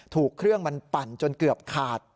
ถูกเครื่องมันปั่นจนเกือบขาด